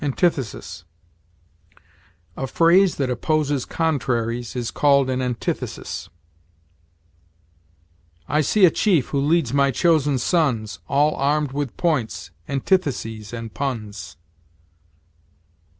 ANTITHESIS. A phrase that opposes contraries is called an antithesis. "I see a chief who leads my chosen sons, All armed with points, antitheses, and puns."